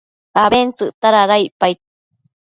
abentsëcta dada icpaid